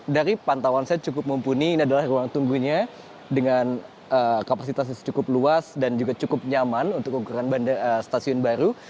dari pantauan saya cukup mumpuni ini adalah ruang tunggunya dengan kapasitas yang cukup luas dan juga cukup nyaman untuk ukuran stasiun baru